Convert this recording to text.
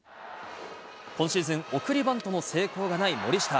今シーズン、送りバントの成功がない森下。